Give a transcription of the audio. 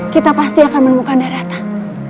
kita pasti akan menemukan daratan